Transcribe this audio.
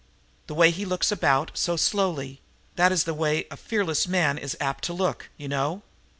The way he looks about, so slowly that is the way a fearless man is apt to look, you know.